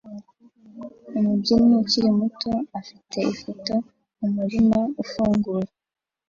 Umubyinnyi ukiri muto afite ifoto mumurima ufunguye